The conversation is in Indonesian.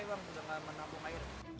itu apa bang bukan menampung air